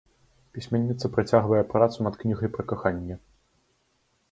Пісьменніца працягвае працу над кнігай пра каханне.